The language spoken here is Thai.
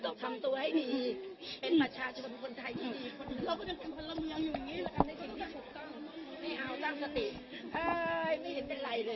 ขอบคุณครับ